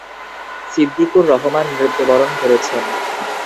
সিদ্দিকুর রহমান মৃত্যুবরণ করেছেন।